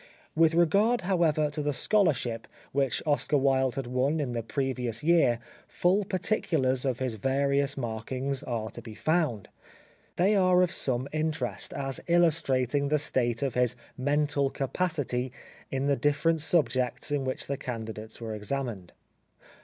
With regard, however, to the scholar 118 The Life of Oscar Wilde ship which Oscar Wilde had won in the previous year full particulars of his various markings are to be found. They are of some interest, as illustrating the state of his mental capacity in the different subjects in which the candidates were examined.